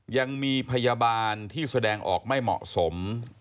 ยังมีพยาบาลที่แสดงออกไม่เหมาะสม